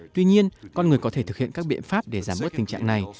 tuy nhiên con người có thể thực hiện các biện pháp để giảm bớt tình trạng này